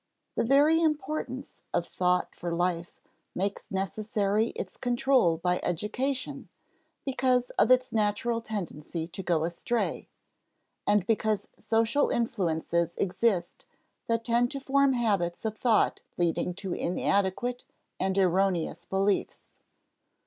The very importance of thought for life makes necessary its control by education because of its natural tendency to go astray, and because social influences exist that tend to form habits of thought leading to inadequate and erroneous beliefs.